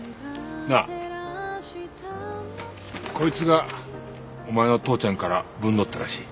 なあこいつがお前の父ちゃんから分捕ったらしい。